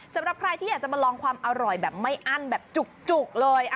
สำหรับใครที่อยากจะมาลองความอร่อยแบบไม่อั้นแบบจุกเลย